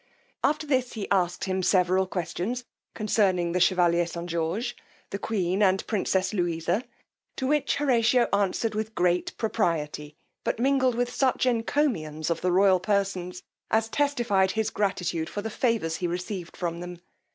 After this he asked him several questions concerning the chevalier St. George, the queen, and princess Louisa; to which Horatio answered with great propriety, but mingled with such encomiums of the royal persons, as testified his gratitude for the favours he received from them.